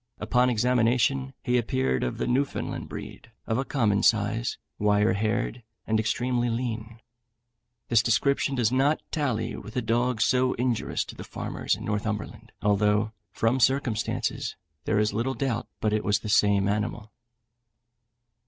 Upon examination, he appeared of the Newfoundland breed, of a common size, wire haired, and extremely lean. This description does not tally with the dog so injurious to the farmers in Northumberland, although, from circumstances, there is little doubt but it was the same animal.